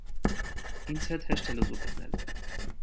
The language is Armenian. Ինձ հետ հեշտ է լեզու գտնել։